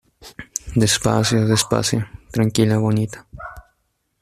despacio. despacio . tranquila, bonita .